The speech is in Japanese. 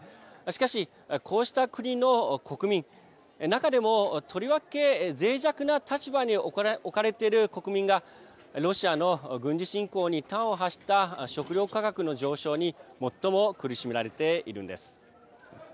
しかし、こうした国の国民中でも、とりわけぜい弱な立場に置かれている国民がロシアの軍事侵攻に端を発した食料価格の上昇に最も苦しめられているんです。